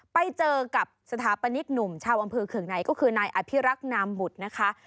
ไปเจอกับสถาปนิกหนุ่มชาวอำเภอเคืองในก็คือนายอภิรักษ์นามบุตรนะคะ